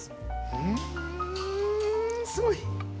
んすごい！